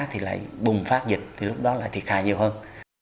thì lại bùng phát dịch thì lúc đó là thịt khai nhiều hơn